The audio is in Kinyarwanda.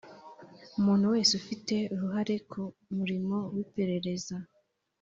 Umuntu wese ufite uruhare ku murimo w iperereza